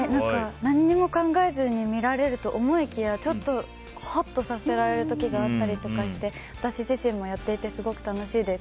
何にも考えずに見られると思いきやはっとさせられる時があったりして私自身もやっていて、すごく楽しいです。